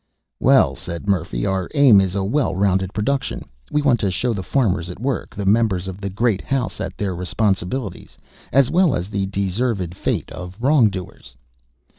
"Well," said Murphy, "our aim is a well rounded production. We want to show the farmers at work, the members of the great House at their responsibilities, as well as the deserved fate of wrongdoers."